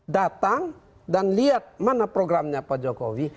datang dan lihat mana programnya pak jokowi